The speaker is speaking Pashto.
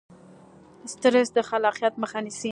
سټرس د خلاقیت مخه نیسي.